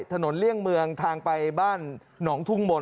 เลี่ยงเมืองทางไปบ้านหนองทุ่งมนต